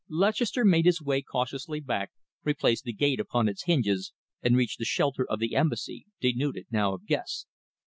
Lutchester made his way cautiously back, replaced the gate upon its hinges and reached the shelter of the Embassy, denuded now of guests.